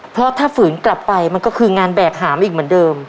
เพราะถ้าฝืนกลับไปมันก็คืองานแบกหามอีกเหมือนเดิม